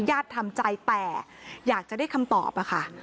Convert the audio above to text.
ญาติทำใจแต่อยากจะได้คำตอบอะค่ะ